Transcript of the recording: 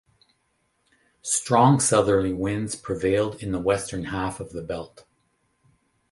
Strong southerly winds prevailed in the western half of the belt.